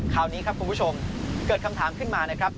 คราวนี้ครับคุณผู้ชมเกิดคำถามขึ้นมานะครับ